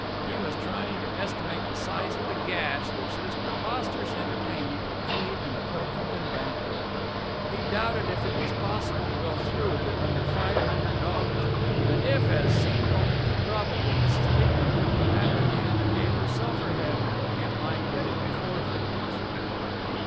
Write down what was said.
He was trying to estimate the size of the gash which this preposterous entertainment would cleave in the Pilkington bank roll. He doubted if it was possible to go through with it under five hundred dollars; and, if, as seemed only too probable, Mrs. Peagrim took the matter in hand and gave herself her head, it might get into four figures.